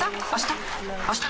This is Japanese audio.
あした？